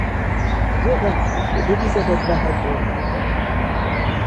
Biographie de Elizabeth Barrett Browning.